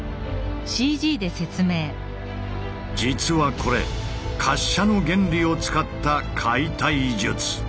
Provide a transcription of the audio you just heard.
実はこれ「滑車の原理」を使った解体術。